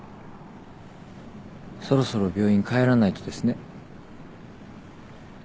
そろそろ病院帰らないとですね。